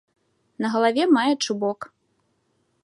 На галаве мае чубок.